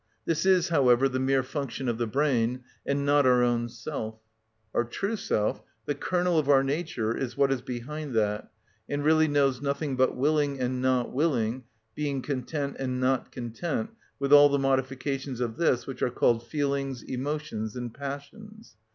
This is, however, the mere function of the brain, and not our own self. Our true self, the kernel of our nature, is what is behind that, and really knows nothing but willing and not willing, being content and not content, with all the modifications of this, which are called feelings, emotions, and passions.